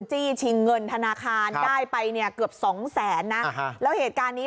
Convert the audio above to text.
จี้ชิงเงินธนาคารได้ไปเนี่ยเกือบสองแสนนะแล้วเหตุการณ์นี้